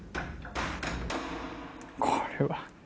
これは。